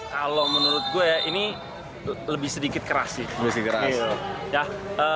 kalau menurut gue ini lebih sedikit keras sih